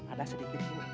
ada sedikit bu